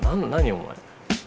お前。